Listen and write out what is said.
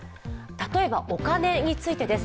例えばお金についてです。